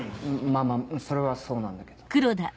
まぁまぁそれはそうなんだけど。